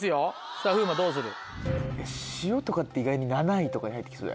さぁ風磨どうする？